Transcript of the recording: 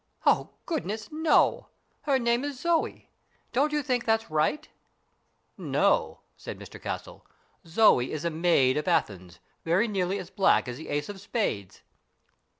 "Oh, goodness, no. Her name is Zoe. Don't you think that's right ?" "No," said Mr Castle. "Zoe is a maid of Athens, very nearly as black as the ace of spades."